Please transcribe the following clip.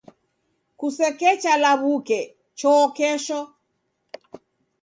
Kusekecha law'uke, choo kesho.